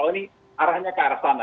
oh ini arahnya ke arah sana